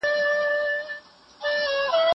زه اجازه لرم چي ليکنې وکړم!!